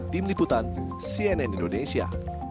tim liputan cnn indonesia